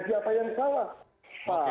jadi apa yang salah